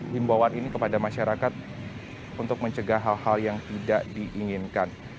himbawan ini kepada masyarakat untuk mencegah hal hal yang tidak diinginkan